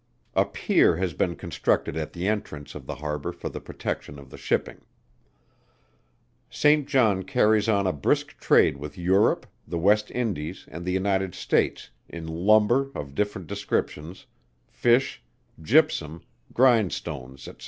A pier has been constructed at the entrance of the harbour for the protection of the shipping. St. John carries on a brisk trade with Europe, the West Indies and the United States, in lumber of different descriptions, fish, gypsum, grindstones, &c.